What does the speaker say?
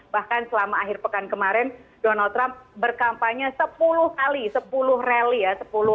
bahkan selama akhir pekan kemarin donald trump berkampanye sepuluh kali sepuluh rally ya